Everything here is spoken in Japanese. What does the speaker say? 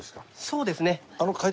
そうですね。